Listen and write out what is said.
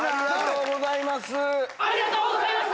ありがとうございます！